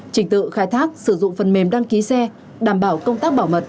trình tự khai thác sử dụng phần mềm đăng ký xe đảm bảo công tác bảo mật